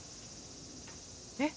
「えっ？」